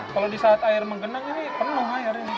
kalau di saat air menggenang ini penuh air